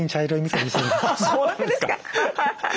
そうですか。